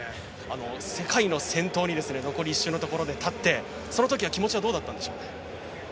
世界の先頭に残り１周のところで立ってそのときは気持ちはどうだったんでしょう？